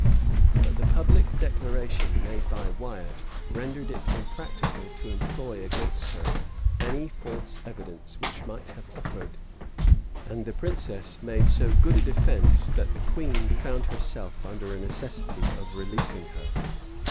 But the public declaration made by Wiat rendered it impracticable to employ against her any false evidence which might have offered; and the princess made so good a defence, that the queen found herself under a necessity of releasing her.